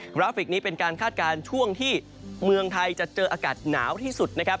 ราฟิกนี้เป็นการคาดการณ์ช่วงที่เมืองไทยจะเจออากาศหนาวที่สุดนะครับ